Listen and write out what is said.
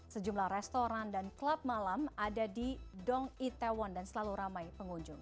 sejumlah restoran dan klub malam ada di dong itaewon dan selalu ramai pengunjung